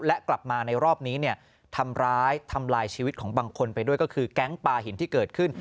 และกลับมาในรอบนี้เนี่ยทำร้ายทำลายชีวิตของบางคนไปด้วยก็คือแก๊งปลาหินที่เกิดขึ้น